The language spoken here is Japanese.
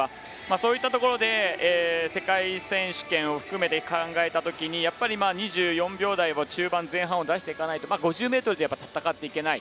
そういったところで世界選手権を含めて考えたところで２４秒台の中盤、前半を出していかないと５０ｍでは戦っていけない。